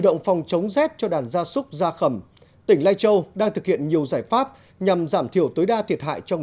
để phòng chống rết cho gia súc